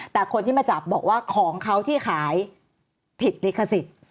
แต่คนที่มาจับบอกว่าของเขาที่ขายผิดลิขสิทธิ์